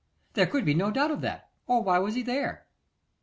There could be no doubt of that, or why was he there?